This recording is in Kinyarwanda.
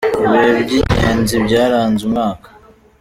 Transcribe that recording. Ibihe byigenzi byaranze umwaka.